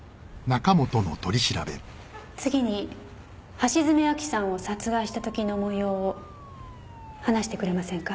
次に橋爪亜希さんを殺害した時のもようを話してくれませんか？